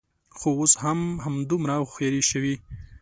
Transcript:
خو، اوس هغه هم همدومره هوښیاره شوې